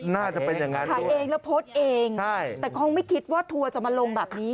น่าจะเป็นอย่างนั้น